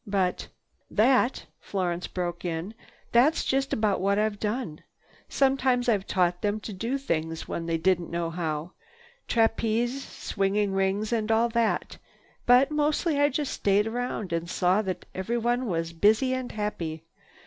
But—" "That," Florence broke in, "that's just about what I've done. Sometimes I taught them to do things, when they didn't know how—trapeze, swinging rings and all that. But mostly I just stayed around and saw that everyone was busy and happy.